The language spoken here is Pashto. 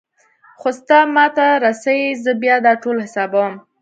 خو ستا ما ته رسي زه بيا دا ټول حسابوم.